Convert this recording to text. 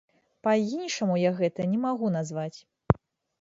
Па-іншаму я гэта не магу назваць.